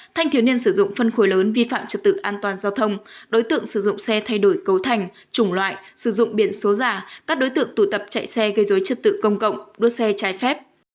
thanh thiếu niên sử dụng phân khối lớn vi phạm trật tự an toàn giao thông đối tượng sử dụng xe thay đổi cấu thành chủng loại sử dụng biển số giả các đối tượng tụ tập chạy xe gây dối trật tự công cộng đua xe trái phép